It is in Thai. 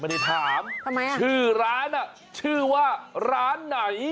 ไม่ได้ถามชื่อร้านน่ะชื่อว่าร้านไหน